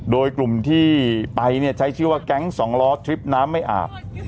โดยกลุ่มที่ไปใช้ชื่อว่าแก๊งสองล้อทริปน้ำไม่อาบ